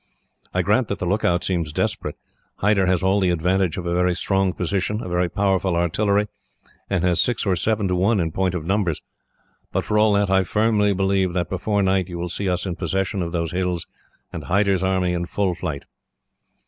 I grant that the lookout seems desperate. Hyder has all the advantage of a very strong position, a very powerful artillery, and has six or seven to one in point of numbers; but for all that, I firmly believe that, before night, you will see us in possession of those hills, and Hyder's army in full flight.'